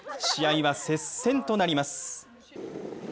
試合は接戦となります。